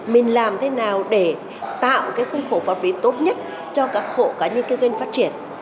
mình làm thế nào để tạo cái khung khổ pháp lý tốt nhất cho các hộ cá nhân kinh doanh phát triển